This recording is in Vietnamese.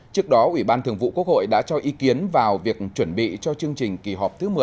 trước đó ủy ban thường vụ quốc hội đã cho ý kiến vào việc chuẩn bị cho chương trình kỳ họp thứ một mươi